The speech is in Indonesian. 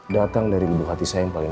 datang dari lubuk hati saya yang paling